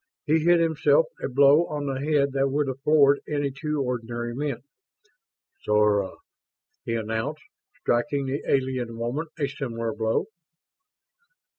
He hit himself a blow on the head that would have floored any two ordinary men. "Sora," he announced, striking the alien woman a similar blow.